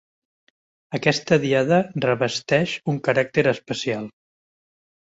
Aquesta diada revesteix un caràcter especial.